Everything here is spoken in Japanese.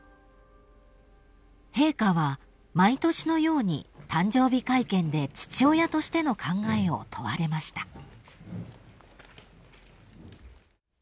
［陛下は毎年のように誕生日会見で父親としての考えを問われました］